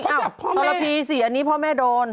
เขาจับพ่อแม่ตรภีร์สี่อันนี้พ่อแม่โดน